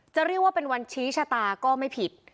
จะเรียกว่าเป็นวันชี้ชะตาก็ไม่ผิด